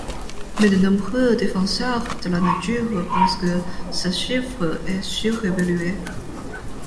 Mais de nombreux défenseurs de la nature pensent que ce chiffre est surévalué.